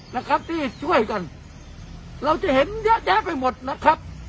นะครับที่ช่วยกันเราจะเห็นเยอะแยะไปหมดนะครับ